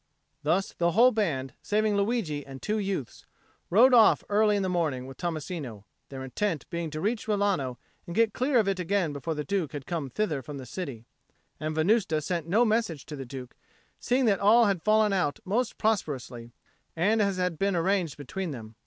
Thus the whole band, saving Luigi and two youths, rode off early in the morning with Tommasino, their intent being to reach Rilano and get clear of it again before the Duke came thither from the city: and Venusta sent no message to the Duke, seeing that all had fallen out most prosperously and as had been arranged between them.